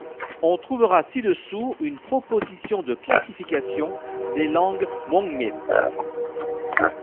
On trouvera ci-dessous une proposition de classification des langues hmong-mien.